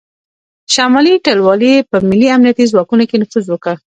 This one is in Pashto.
شمالي ټلوالې په ملي امنیتي ځواکونو کې نفوذ وکړ